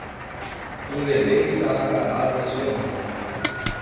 Um bebê está agarrado a sua mãe.